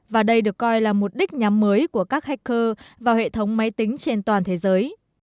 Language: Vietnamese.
và đây được coi là mục đích nhắm mới của các hacker vào hệ thống máy tính trên toàn thế giới